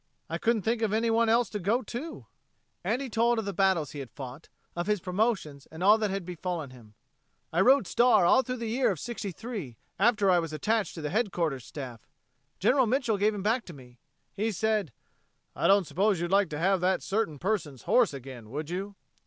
"I couldn't think of anyone else to go to." And he told of the battles he had fought, of his promotions and all that had befallen him. "I rode Star all through the year of '63, after I was attached to the Headquarters Staff. General Mitchel gave him back to me. He said, 'I don't suppose you'd like to have that Certain Person's horse again, would you?'